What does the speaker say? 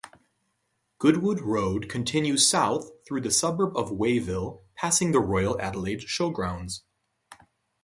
Goodwood Road continues south through the suburb of Wayville, passing the Royal Adelaide Showgrounds.